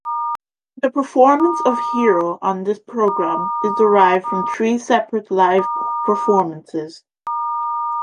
The performance of "Hero" on this program is derived from three separate live performances.